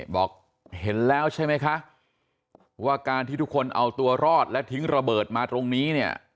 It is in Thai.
บอกเห็นแล้วใช่ไหมคะว่าการที่ทุกคนเอาตัวรอดและทิ้งระเบิดมาตรงนี้เนี่ย